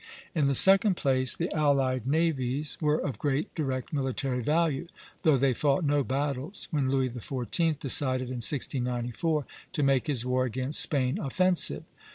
In the second place, the allied navies were of great direct military value, though they fought no battles, when Louis XIV. decided in 1694 to make his war against Spain offensive.